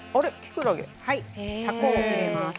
はいたこを入れます。